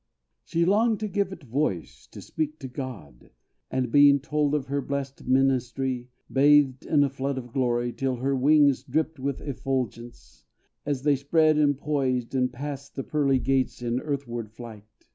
She longed to give it voice to speak to God; And, being told of her blest ministry, Bathed in a flood of glory, till her wings Dripped with effulgence, as they spread, and poised, And passed the pearly gates in earthward flight.